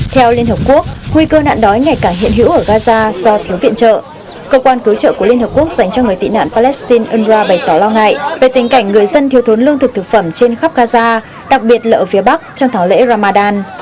theo liên hợp quốc nguy cơ nạn đói ngày càng hiện hữu ở gaza do thiếu viện trợ cơ quan cứu trợ của liên hợp quốc dành cho người tị nạn palestine unrwa bày tỏ lo ngại về tình cảnh người dân thiếu thốn lương thực thực phẩm trên khắp gaza đặc biệt là ở phía bắc trong tháng lễ ramadan